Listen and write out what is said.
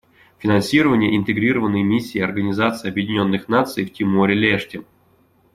Финансирование Интегрированной миссии Организации Объединенных Наций в Тиморе-Лешти.